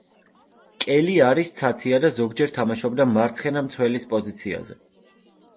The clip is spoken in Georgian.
კელი არის ცაცია და ზოგჯერ თამაშობდა მარცხენა მცველის პოზიციაზე.